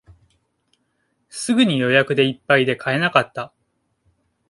すぐに予約でいっぱいで買えなかった